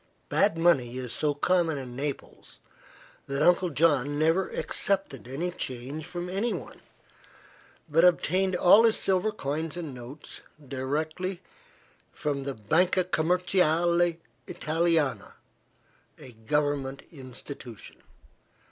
Bad money is so common in Naples that Uncle John never accepted any change from anyone, but obtained all his silver coins and notes directly from the Banca Commerciale Italiana, a government institution.